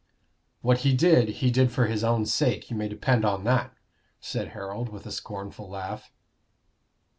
"What he did, he did for his own sake, you may depend on that," said Harold, with a scornful laugh.